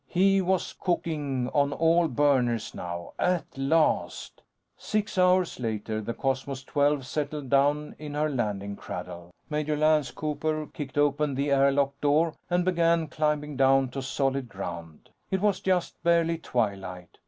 He was cooking on all burners, now. At last. Six hours later, the Cosmos XII settled down in her landing cradle. Major Lance Cooper kicked open the air lock door and began climbing down to solid ground. It was just barely twilight.